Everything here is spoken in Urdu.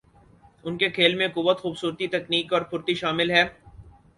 ان کے کھیل میں قوت، خوبصورتی ، تکنیک اور پھرتی شامل ہے